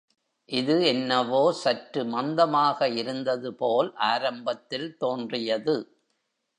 இது என்னவோ சற்று மந்தமாக இருந்ததுபோல் ஆரம்பத்தில் தோன்றியது.